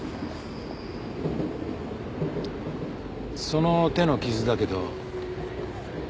その手の傷だけど。